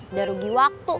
udah rugi waktu